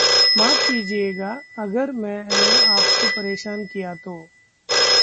माफ़ कीजिएगा अगर मैंने आपको परेशान किया तो।